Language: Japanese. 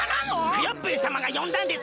クヨッペンさまがよんだんです！